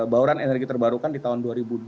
bauran energi terbarukan di tahun dua ribu dua puluh